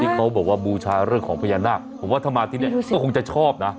เขาบอกว่าบูชาเรื่องของพญานาคผมว่าถ้ามาที่นี่ก็คงจะชอบนะ